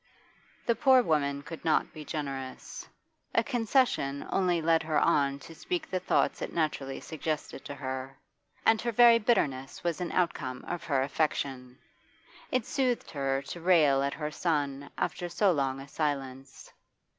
The poor woman could not be generous. A concession only led her on to speak the thoughts it naturally suggested to her. And her very bitterness was an outcome of her affection; it soothed her to rail at her son after so long a silence.